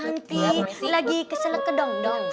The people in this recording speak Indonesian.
nanti lagi kesel ke dong dong